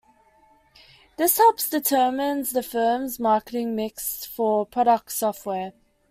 This helps determines the firms marketing mix for product software.